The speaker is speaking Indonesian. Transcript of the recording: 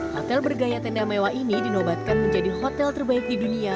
hotel bergaya tenda mewah ini dinobatkan menjadi hotel terbaik di dunia